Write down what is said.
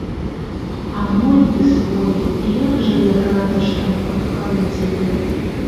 А мой ты свой, як жа я рада, што напаткала цябе.